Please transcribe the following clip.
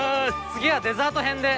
次はデザート編で。